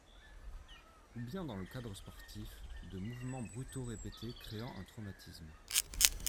Ou bien dans le cadre sportif, de mouvements brutaux répétés créant un traumatisme.